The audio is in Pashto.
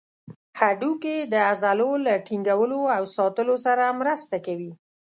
هډوکي د عضلو له ټینګولو او ساتلو سره مرسته کوي.